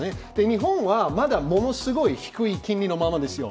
日本は、まだものすごい低い金利のままですよ。